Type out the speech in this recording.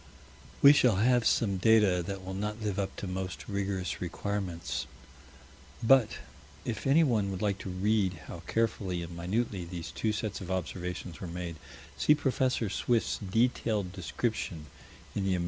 We shall have some data that will not live up to most rigorous requirements, but, if anyone would like to read how carefully and minutely these two sets of observations were made, see Prof. Swift's detailed description in the _Am.